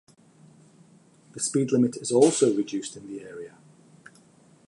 The speed limit is also reduced in the area.